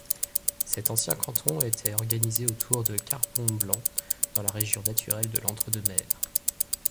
Cet ancien canton était organisé autour de Carbon-Blanc dans la région naturelle de l'Entre-deux-Mers.